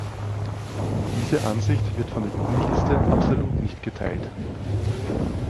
Diese Ansicht wird von der Juniliste absolut nicht geteilt.